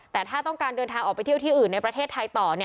แต่ถ้าต้องการเดินทางออกไปเที่ยวที่อื่นในประเทศไทยต่อ